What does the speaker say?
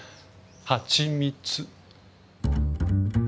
はちみつ。